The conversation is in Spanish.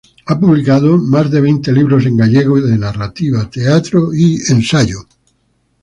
Ha publicado más de veinte libros en gallego de narrativa, teatro y ensayo.